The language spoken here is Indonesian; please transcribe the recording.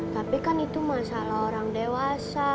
tapi kan itu masalah orang dewasa